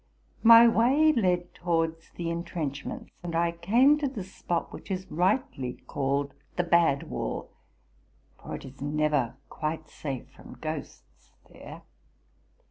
My way led towards the intrenchments ; and I came to the spot which is rightly called the Bad Wall, for it Js never quite safe from ghosts there.